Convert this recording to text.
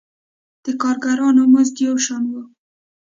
د کارګرانو مزد یو شان و.